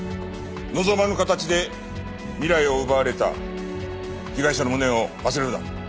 望まぬ形で未来を奪われた被害者の無念を忘れるな。